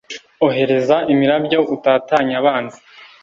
Ohereza imirabyo utatanye abanzi